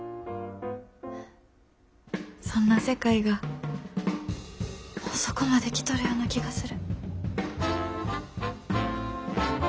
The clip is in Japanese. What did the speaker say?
そんな世界がもうそこまで来とるような気がする。